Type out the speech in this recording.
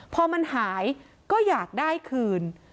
พอมันหายก็อยากได้คืน